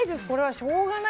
しょうがない。